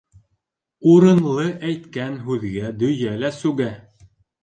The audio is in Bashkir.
Урынлы әйткән һүҙгә дөйә лә сүгә.